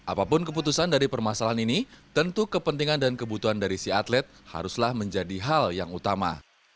apapun keputusan dari permasalahan ini tentu kepentingan dan kebutuhan dari si atlet haruslah menjadi hal yang utama